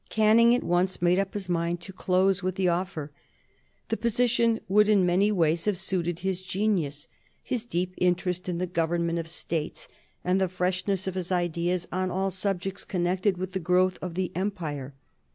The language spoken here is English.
Canning at once made up his mind to close with the offer. The position would in many ways have suited his genius, his deep interest in the government of states, and the freshness of his ideas on all subjects connected with the growth of the Empire.